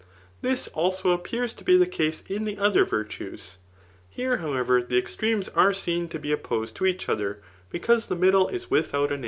This ftlao appears to be the case m die other virtuesr Here^ faowevar, the extremes are seen i» be ofqposed t» each other, because die middle is wkboiit a name.